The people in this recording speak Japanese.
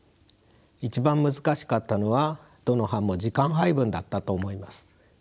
一番難しかったのはどの班も時間配分だったと思います。